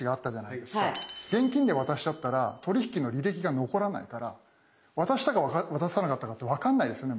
現金で渡しちゃったら取り引きの履歴が残らないから渡したか渡さなかったかって分かんないですよね